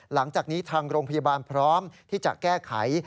หลังจากนี้ทางโรงพยาบาลพร้อมที่จะแก้ไข